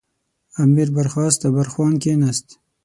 امیر برخاست او برخوان کېناست.